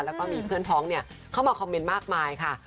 แล้วก็มีเพื่อนพ้องเข้ามาคอมเมนต์มากมายค่ะ